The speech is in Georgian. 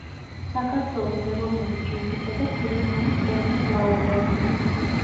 საქართველოს ეროვნული ჯილდოსა და ფიროსმანის პრემიის ლაურეატი.